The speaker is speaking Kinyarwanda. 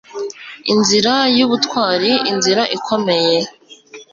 inzira y'ubutwari, inzira ikomeye